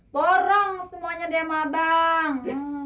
borong semuanya deh sama abang